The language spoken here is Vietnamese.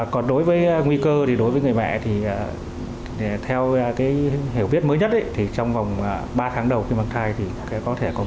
còn đối với nguy cơ thì đối với người mẹ thì theo cái hiểu viết mới nhất